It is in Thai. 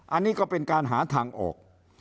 อันนี้ก็เป็นการหาทางออก